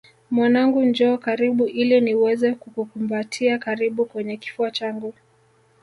Mwanangu njoo karibu ili niweze kukukumbatia karibu kwenye kifua changu